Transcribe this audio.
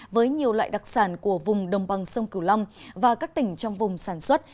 với nhiều loại đặc sản của vùng đồng bằng sông cửu long và các tỉnh trong vùng sản xuất